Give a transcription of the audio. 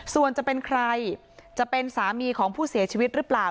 ส่วนจะเป็นใครจะเป็นสามีของผู้เสียชีวิตหรือเปล่า